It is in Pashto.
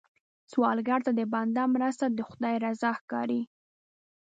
سوالګر ته د بنده مرسته، د خدای رضا ښکاري